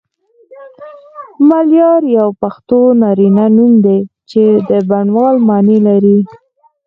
ملیار یو پښتو نارینه نوم دی چی د بڼوال معنی لری